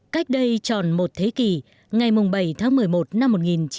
cách đây tròn một thế kỷ ngày bảy tháng một mươi một năm một nghìn chín trăm bảy mươi năm